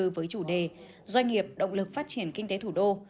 với chủ đề doanh nghiệp động lực phát triển kinh tế thủ đô